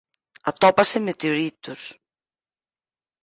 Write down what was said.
Atópase en meteoritos.